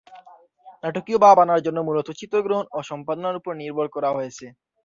নাটকীয় ভাব আনার জন্য মূলত চিত্রগ্রহণ ও সম্পাদনার উপর নির্ভর করা হয়েছে।